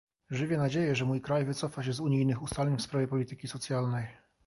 Żywię nadzieję, że mój kraj wycofa się z unijnych ustaleń w sprawie polityki socjalnej